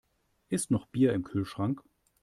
Ist noch Bier im Kühlschrank?